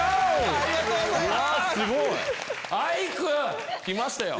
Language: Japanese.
ありがとうございます。